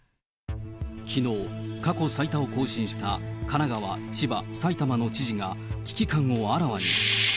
きのう、過去最多を更新した神奈川、千葉、埼玉の知事が危機感をあらわに。